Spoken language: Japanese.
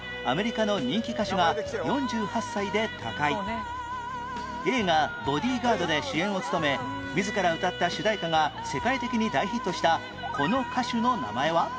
１１年前映画『ボディガード』で主演を務め自ら歌った主題歌が世界的に大ヒットしたこの歌手の名前は？